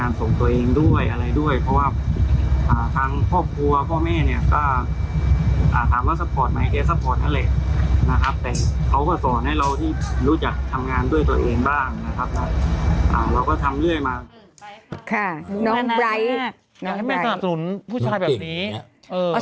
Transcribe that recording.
เหมือนกันแน่อยากให้แม่สนับสนุนผู้ชายแบบนี้